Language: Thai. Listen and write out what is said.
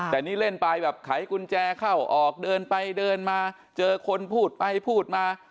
แต่นี่เล่นไปแบบไขกุญแจเข้าออกเดินไปเดินมาเจอคนพูดไปพูดมา